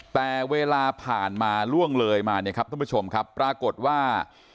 แต่เวลาผ่านมาล่วงเลยมาเนี่ยครับท่านผู้ชมครับปรากฏว่า